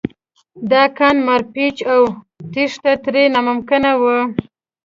دا کان مارپیچ و او تېښته ترې ناممکنه وه